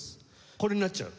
これになっちゃう？